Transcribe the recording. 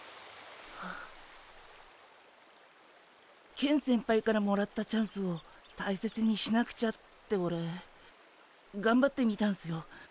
ケン先輩からもらったチャンスを大切にしなくちゃってオレがんばってみたんすよ。